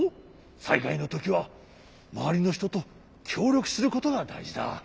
さいがいのときはまわりのひとときょうりょくすることがだいじだ。